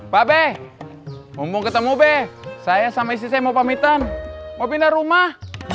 pak be ngomong ketemu be saya sama istri saya mau pamitan mau pindah rumah